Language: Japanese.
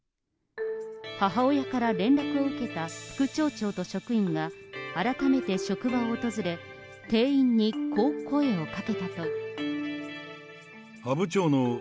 母親から連絡を受けた副町長と職員が、改めて職場を訪れ、店長さんいますか？